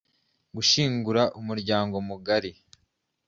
Gushyingura umuryangomugari